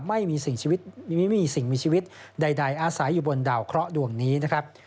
ไม่มีสิ่งมีชีวิตใดอาศัยอยู่บนดาวเคราะห์ดวงนี้นะครับ